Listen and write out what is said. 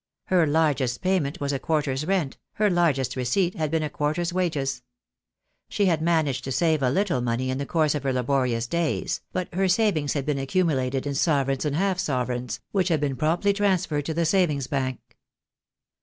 Her largest payment was a quarter's rent, her largest receipt had been a quarter's wages. She had managed to save a little money in the course of her laborious days, but her savings had been accumulated in sovereigns and half sovereigns, which had been promptly transferred to the savings bank.